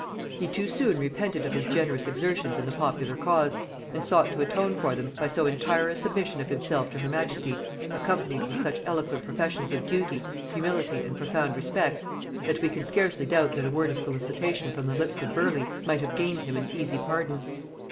He too soon repented of his generous exertions in the popular cause, and sought to atone for them by so entire a submission of himself to her majesty, accompanied with such eloquent professions of duty, humility and profound respect, that we can scarcely doubt that a word of solicitation from the lips of Burleigh might have gained him an easy pardon.